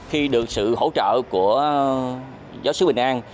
khi được sự hỗ trợ của giáo sứ bình an